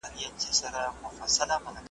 ذهن چي صفا وي خیالات به صفا وي